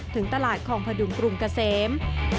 ถึงตลาดคลองพดุงกรุงเกษม